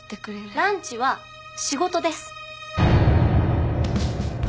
ランチは仕事です。